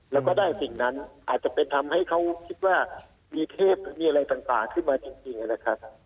แล้วก็ได้สิ่งนั้นอาจจะเป็นทำให้เขาคิดว่ามีเทพมีอะไรต่างขึ้นมาจริงนะครับ